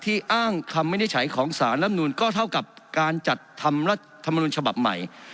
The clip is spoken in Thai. ที่อ้างคำวินิจฉัยของสารรำนุนก็เท่ากับการจัดธรรมชมบับใหม่